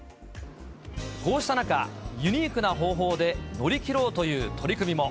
こうした中、ユニークな方法で、乗り切ろうという取り組みも。